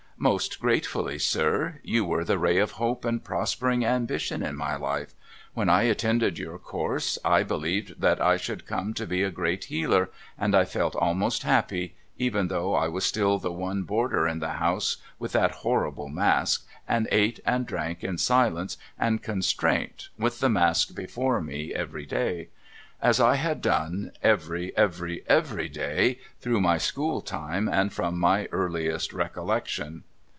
' Most gratefully, sir. You were the ray of hope and prospering ambition in my life. When I attended your course, I believed that I should come to be a great healer, and I felt almost happy — even though I was still the one boarder in the house with that horrible mask, and ate and drank in silence and constraint with the mask before me, every day. As I had done every, every, every day, through my school time and from my earliest recollection.'